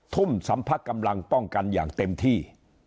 ทุ่มสำพักกำลังป้องกันอย่างเต็มที่